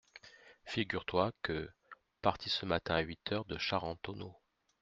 Figure-toi que, parti ce matin à huit heures de Charentonneau…